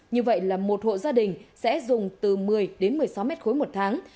như vậy là một hộ gia đình sẽ dùng từ một mươi đến một mươi sáu mét khối một tháng